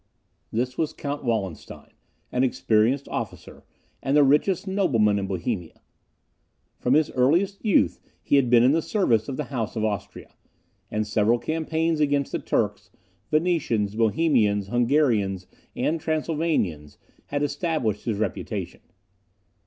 This was Count Wallenstein, an experienced officer, and the richest nobleman in Bohemia. From his earliest youth he had been in the service of the House of Austria, and several campaigns against the Turks, Venetians, Bohemians, Hungarians, and Transylvanians had established his reputation.